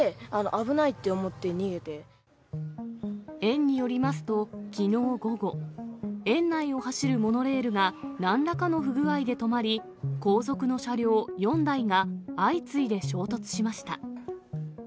で、園によりますと、きのう午後、園内を走るモノレールが、なんらかの不具合で止まり、後続の車両４台が相次いで衝突しました。